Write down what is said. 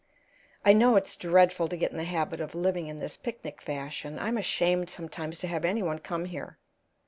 I know it's dreadful to get in the habit of living in this picnic fashion; I'm ashamed sometimes to have any one come here.